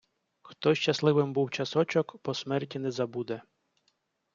Хто щасливим був часочок, по смерті не забуде